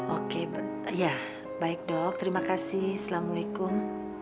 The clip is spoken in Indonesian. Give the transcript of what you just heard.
oke ya baik dok terima kasih assalamualaikum